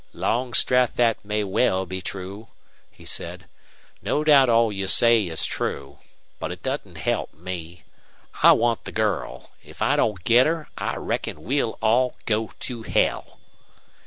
"Longstreth, that may well be true," he said. "No doubt all you say is true. But it doesn't help me. I want the girl. If I don't get her I reckon we'll all go to hell!"